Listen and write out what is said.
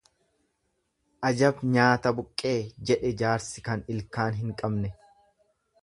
Ajab! nyaata buqqee jedhe jaarsi ilkaan hin qabne.